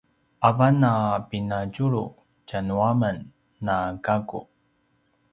avan a pinadjulu tjanu a men na gaku